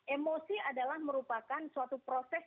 emosi adalah merupakan suatu proses